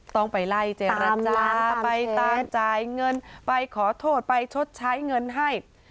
ต้องไปไล่เจรจาไปตามจ่ายเงินไปขอโทษไปชดใช้เงินให้